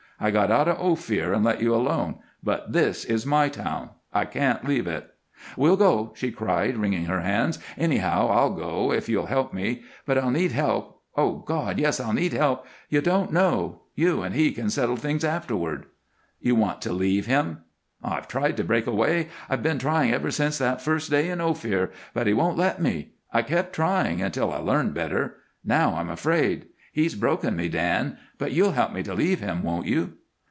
I got out of Ophir and let you alone, but this is my town; I can't leave it." "We'll go," she cried, wringing her hands; "anyhow, I'll go, if you'll help me. But I'll need help Oh, God! Yes, I'll need help! You don't know You and he can settle things afterward." "You want to leave him?" "I've tried to break away, I've been trying ever since that first day in Ophir, but he won't let me. I kept trying until I learned better; now I'm afraid. He's broken me, Dan, but you'll help me to leave him, won't you?"